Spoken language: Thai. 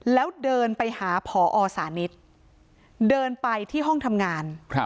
แล้วเดินไปหาพอสานิทเดินไปที่ห้องทำงาน